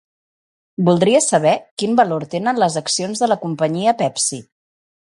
Voldria saber quin valor tenen les accions de la companyia Pepsi.